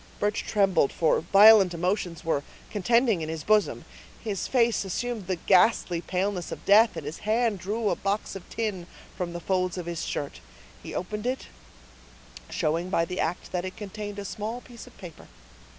Birch trembled, for violent emotions were contending in his bosom. His face assumed the ghastly paleness of death, and his hand drew a box of tin from the folds of his shirt; he opened it, showing by the act that it contained a small piece of paper.